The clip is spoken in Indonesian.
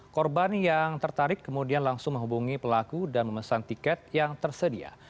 korban yang tertarik kemudian langsung menghubungi pelaku dan memesan tiket yang tersedia